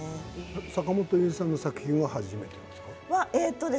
坂元裕二さんの作品は初めてですか？